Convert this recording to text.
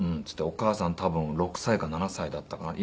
「お母さん多分６歳か７歳だったかな」。